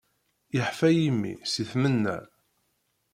Iḥfa yimi, si tmenna.